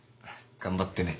頑張ってね。